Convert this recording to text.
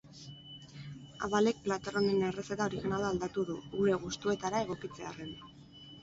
Abalek plater honen errezeta originala aldatu du, gure gustuetara egokitzearren.